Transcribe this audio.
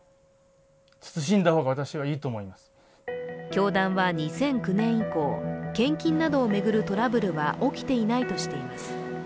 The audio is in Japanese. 教団は２００９年以降献金などを巡るトラブルは起きていないとしています。